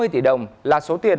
ba mươi tỷ đồng là số tiền